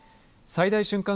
最大瞬間